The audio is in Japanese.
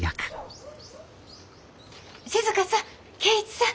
静さん圭一さん！